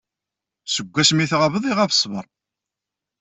Seg asmi tɣabeḍ iɣab ṣṣber.